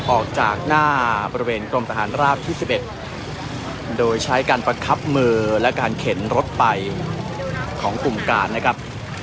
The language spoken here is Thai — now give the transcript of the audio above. ออกจากหน้าบริเวณกรมทหารราบที่๑๑โดยใช้การประคับมือและการเข็นรถไปของกลุ่มการนะครับ